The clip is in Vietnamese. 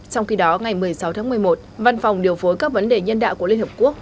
trong khi đó ngày một mươi sáu tháng một mươi một văn phòng điều phối các vấn đề nhân đạo của liên hợp quốc